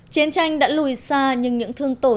chiến tranh đã lùi xa nhưng những thương tượng đã được giải quyết